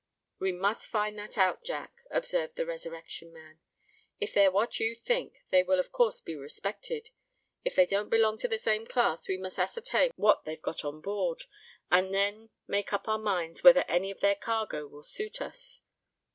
"We must find that out, Jack," observed the Resurrection Man. "If they're what you think, they will of course be respected: if they don't belong to the same class, we must ascertain what they've got on board, and then make up our minds whether any of their cargo will suit us."